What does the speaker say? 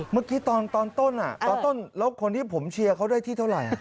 เมื่อกี้ตอนต้นตอนต้นแล้วคนที่ผมเชียร์เขาได้ที่เท่าไหร่